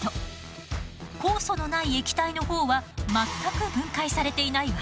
酵素のない液体のほうは全く分解されていないわ。